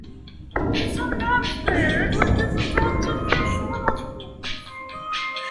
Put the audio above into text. It is sometimes made with different types of fish or mussels.